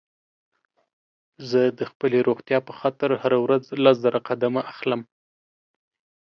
زه د خپلې روغتيا په خاطر هره ورځ لس زره قدمه اخلم